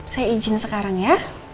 saya izin sekarang ya